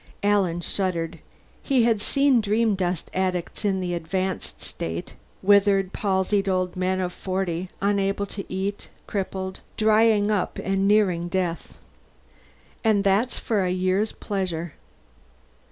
Alan shuddered. He had seen dreamdust addicts in the advanced state withered palsied old men of forty, unable to eat, crippled, drying up and nearing death. All that for a year's pleasure!